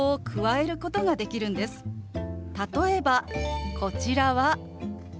例えばこちらは。